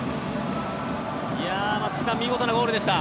松木さん、見事なゴールでした。